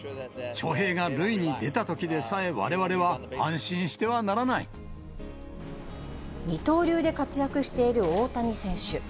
翔平が塁に出たときでさえ、二刀流で活躍している大谷選手。